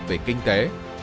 về kinh tế